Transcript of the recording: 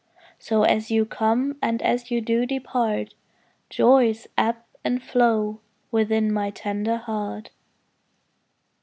So as you come and as you do depart, Joys ebb and flow within my tender heart.